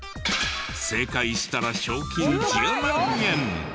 正解したら賞金１０万円！